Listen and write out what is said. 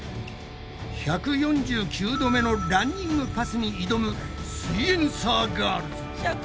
１４９度目のランニングパスに挑むすイエんサーガールズ！